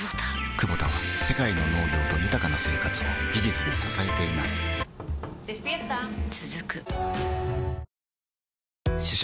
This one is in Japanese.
クボタは世界の農業と豊かな生活を技術で支えています起きて。